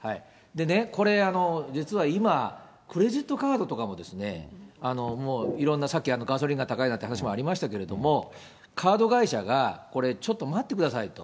これ、実は今、クレジットカードとかもいろんなさっき、ガソリンが高いなんて話もありましたけれども、カード会社がちょっと待ってくださいと。